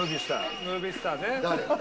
ムービースターね誰？